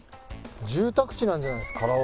住宅地なんじゃないですか？